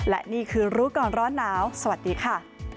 และนี่คือรู้ก่อนร้อนหนาวสวัสดีค่ะ